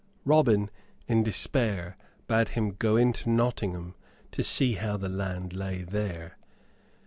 Robin, in despair, bade him go into Nottingham, to see how the land lay there.